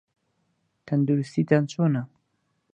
تەندروستیتان چۆنە؟